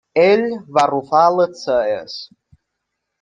Ell va arrufar les celles.